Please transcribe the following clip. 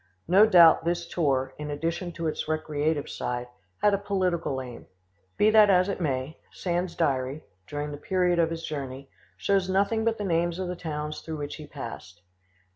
No doubt this tour, in addition to its recreative side, had a political aim. Be that as it may, Sand's diary, during the period of his journey, shows nothing but the names of the towns through which he passed.